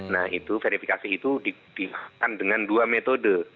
nah itu verifikasi itu di lakukan dengan dua metode